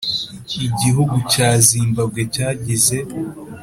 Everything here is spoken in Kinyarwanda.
igihugu cya zimbabwe cyagize